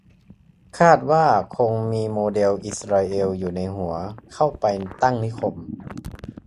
คาดว่าคงมีโมเดลอิสราเอลอยู่ในหัว เข้าไปตั้งนิคม